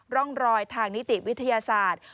ร่องรอยทางนิติวิทยาศาสตร์